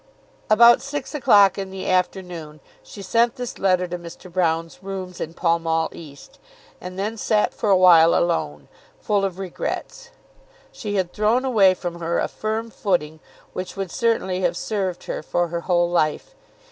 About six o'clock in the afternoon she sent this letter to Mr. Broune's rooms in Pall Mall East, and then sat for awhile alone, full of regrets. She had thrown away from her a firm footing which would certainly have served her for her whole life.